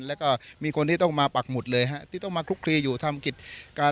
แล้วก็มีคนที่ต้องมาปักหมุดเลยฮะที่ต้องมาคลุกคลีอยู่ทำกิจการ